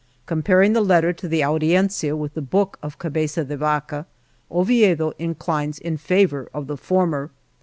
Comparing the Letter to the Audiencia with the book of Cabeza de Vaca, Oviedo in clines in favor of the former.